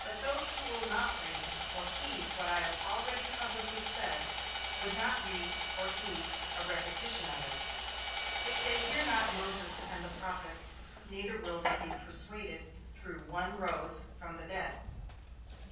Those who will not read or heed what I have already publicly said, would not read or heed a repetition of it. 'If they hear not Moses and the prophets, neither will they be persuaded though one rose from the dead.'"